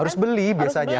harus beli biasanya